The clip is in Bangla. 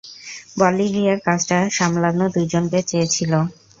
বলিভিয়ার কাজটা সামলানো দুইজনকে চেয়েছিল।